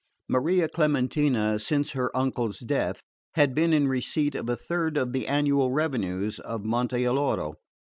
Maria Clementina, since her uncle's death, had been in receipt of a third of the annual revenues of Monte Alloro.